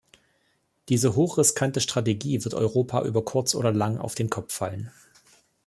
Diese hoch riskante Strategie wird Europa über kurz oder lang auf den Kopf fallen.